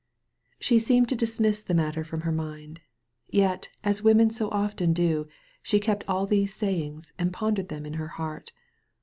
She seemed to dismiss the matter from her mind. Yet, as women so often do, she kept all these sayings and pondered them in her heart.